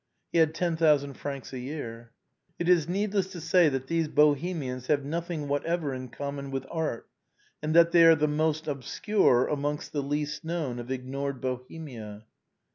He had ten thousand francs a year. It is needless to say that these Bohemians have nothing whatever in common with art, and that they are the most obscure amongst the least known of ignored Bohemia.